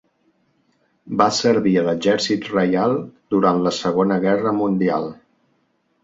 Va servir a l'Exèrcit Reial durant la segona Guerra Mundial.